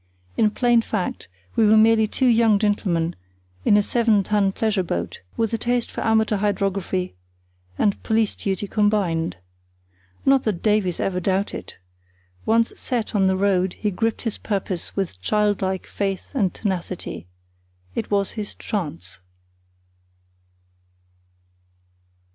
In plain fact we were merely two young gentlemen in a seven ton pleasure boat, with a taste for amateur hydrography and police duty combined. Not that Davies ever doubted. Once set on the road he gripped his purpose with child like faith and tenacity. It was his "chance".